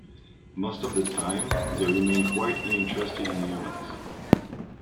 Most of the time they remain quite uninterested in humans.